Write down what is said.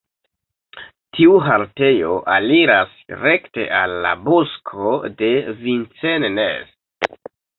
Tiu haltejo aliras rekte al la Bosko de Vincennes.